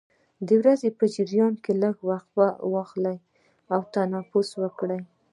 د ورځې په جریان کې لږې وقفې واخلئ او تنفس وکړئ.